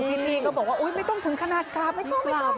พี่ก็บอกว่าอุ๊ยไม่ต้องถึงขนาดกราบไม่ต้อง